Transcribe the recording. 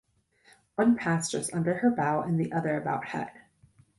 One passed just under her bow and the other about ahead.